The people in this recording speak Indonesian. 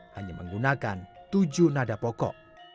hanya menggunakan tujuh nada pokok